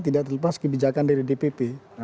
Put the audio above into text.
tidak terlepas kebijakan dari dpp